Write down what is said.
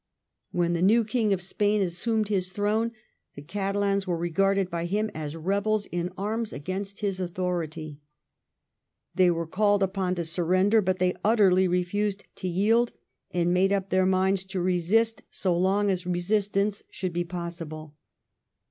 When the new King of Spain assumed his throne the Catalans were regarded by him as rebels in arms against his authority. They were called upon to surrender, but they utterly refused to yield, and made up their minds to resist so long as resistance should be possible.